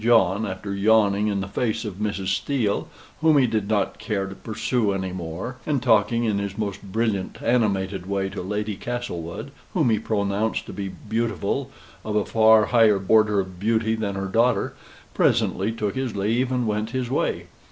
John, after yawning in the face of Mrs. Steele, whom he did not care to pursue any more; and talking in his most brilliant animated way to Lady Castlewood, whom he pronounced to be beautiful, of a far higher order of beauty than her daughter, presently took his leave, and went his way.